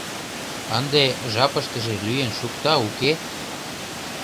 «Ынде жапыштыже лӱен шукта, уке?